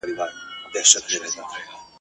یو شته من وو چي دوې لوڼي یې لرلې ..